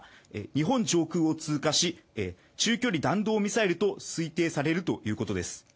日本上空を通過し中距離弾道ミサイルと推定されるということです。